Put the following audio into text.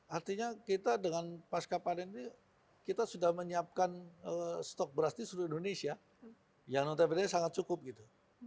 artinya kita dengan pasca panen ini kita sudah menyiapkan stok beras di seluruh indonesia yang notabene sangat cukup gitu